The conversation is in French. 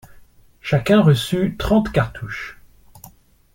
Chacun reçut trente cartouches.